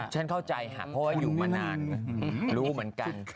ฉันเข้าใจค่ะเพราะว่าอยู่มานานรู้เหมือนกัน